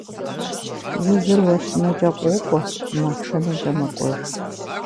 Узыр уэщынэкӀэ къокӀуэ, мастэнэкӀэ мэкӀуэж.